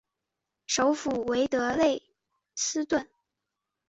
首府为德累斯顿。